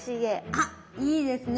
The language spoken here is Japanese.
あいいですね